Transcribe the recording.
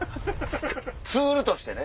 ツールとしてね。